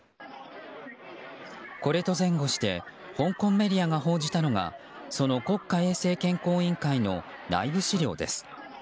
これと前後して香港メディアが報じたのはその国家衛生健康委員会の内部資料です。